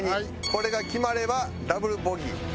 これが決まればダブルボギー。